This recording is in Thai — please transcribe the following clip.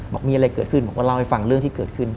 บอกมีอะไรเกิดขึ้นผมก็เล่าให้ฟังเรื่องที่เกิดขึ้น